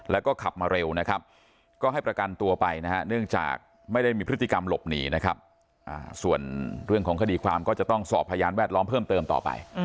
แล้วก็ขับมาเร็วนะครับก็ให้ประกันตัวไปนะฮะเนื่องจากไม่ได้มีพฤติกรรมหลบหนีนะครับส่วนเรื่องของคดีความก็จะต้องสอบพยานแวดล้อมเพิ่มเติมต่อไป